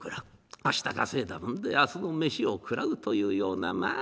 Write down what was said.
明日稼いだもんで明日の飯を食らうというようなまあ